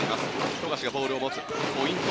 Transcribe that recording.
富樫がボールを持つポイント